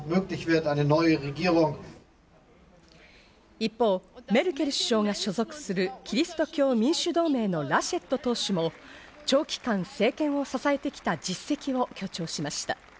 一方、メルケル首相が所属するキリスト教民主同盟のラシェット党首も長期間、政権を支えてきた実績を強調しました。